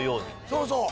そうそう。